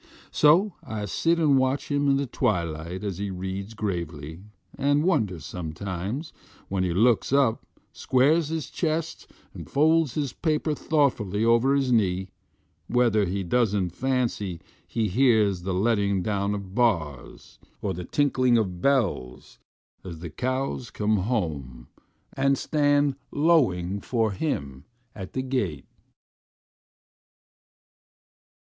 So I sit and watch him in the twilight as he reads gravely, and wonder sometimes, when he looks up, squares his chest, and folds his paper thoughtfully over his knee, whether he does n't fancy he hears the letting down of bars, or the tinkling of bells, as the cows come home and stand lowing for him at the gate.